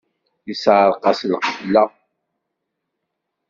Yesseɛreq-as lqebla.